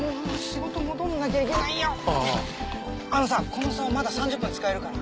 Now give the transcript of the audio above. この竿まだ３０分使えるから。